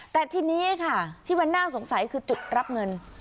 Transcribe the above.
แต่ทีนี้ค่ะที่มันน่าสงสัยคือจุดรับเงิน